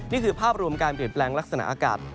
นี่คือภาพรวมการเปลี่ยนแปลงลักษณะอากาศ